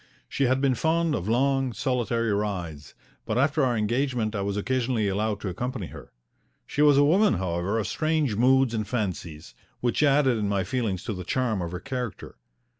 She had been fond of long, solitary rides, but after our engagement I was occasionally allowed to accompany her. She was a woman, however, of strange moods and fancies, which added in my feelings to the charm of her character.